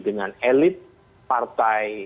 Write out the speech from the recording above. dengan elit partai